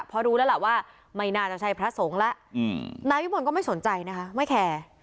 เพราะรู้แล้วล่ะว่าไม่นานเจ้าชายพระสงฆ์ล่ะอืมนายวิมนต์ก็ไม่สนใจนะคะไม่แข่